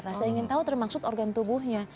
rasa ingin tahu termasuk organ tubuhnya